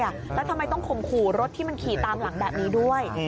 แล้วทำไมต้องข่มขู่รถที่มันขี่ตามหลังแบบนี้ด้วย